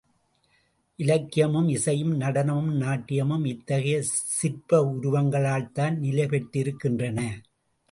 இலக்கியமும், இசையும், நடனமும் நாட்டியமும் இத்தகைய சிற்ப உருவங்களால்தான் நிலைபெற்றிருக்கின்றன.